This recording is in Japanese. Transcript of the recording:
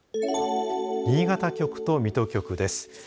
新潟局と水戸局です。